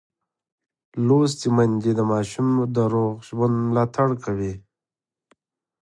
لوستې میندې د ماشوم د روغ ژوند ملاتړ کوي.